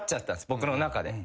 僕の中で。